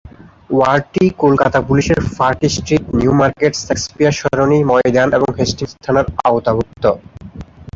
ওয়ার্ডটি কলকাতা পুলিশের Park Street, New Market, Shakespeare সরণি, ময়দান এবং হেস্টিংস থানার আওতাভুক্ত।